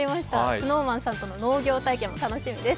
ＳｎｏｗＭａｎさんとの農業体験も楽しみです。